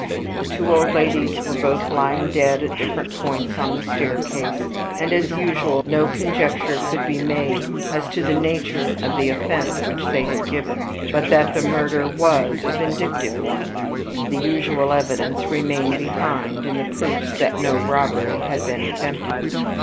The two old ladies were both lying dead at different points on the staircase, and, as usual, no conjecture could be made as to the nature of the offense which they had given; but that the murder WAS a vindictive one, the usual evidence remained behind, in the proofs that no robbery had been attempted.